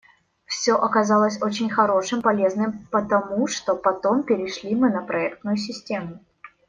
Все оказалось очень хорошим, полезным, потому что потом перешли мы на проектную систему.